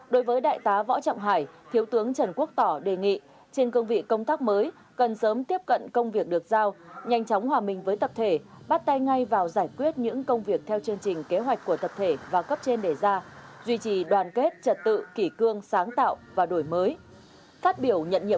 đối với đại tá võ trọng hải thiếu tướng trần quốc tỏ đề nghị trên cương vị công tác mới cần sớm tiếp cận công việc được giao nhanh chóng hòa mình với tập thể bắt tay ngay vào giải quyết những công việc theo chương trình kế hoạch của tập thể và cấp trên đề ra duy trì đoàn kết trật tự kỷ cương sáng tạo và đổi mới